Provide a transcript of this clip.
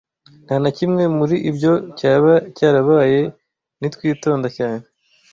Nta na kimwe muri ibyo cyaba cyarabaye nitwitonda cyane.